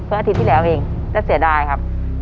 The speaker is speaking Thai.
อาทิตย์ที่แล้วเองก็เสียดายครับ